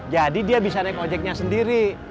jadi dia bisa naik ojeknya sendiri